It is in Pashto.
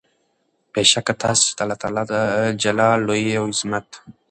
بې شکه تاسي چې د الله تعالی د جلال، لوئي او عظمت